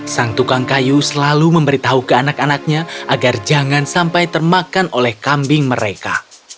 sang tukang kayu selalu memberitahu ke anak anaknya agar jangan sampai termakan oleh kambing mereka